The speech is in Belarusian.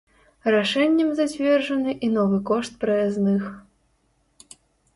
Рашэннем зацверджаны і новы кошт праязных.